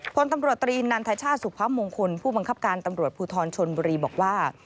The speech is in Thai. พลตำรวจตรีนันทชาติสุพมงคลผู้บังคับการตำรวจภูทรชนบุรีบอกว่า